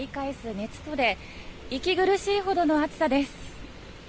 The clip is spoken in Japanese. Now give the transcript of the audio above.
熱とで息苦しいほどの暑さです。